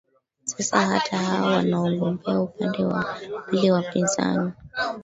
sasa hata hawa wanaogombea upande wa pili ya wapinzani